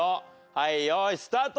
はい用意スタート！